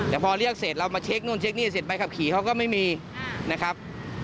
แต่พอเรียกเสร็จเรามาเช็คนู่นเช็คนี่เสร็จใบขับขี่เขาก็ไม่มีนะครับ